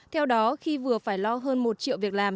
theo đó khi vừa phải lo hơn một triệu việc làm